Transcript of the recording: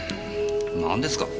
なんですか？